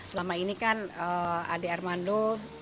selama ini kan ade armando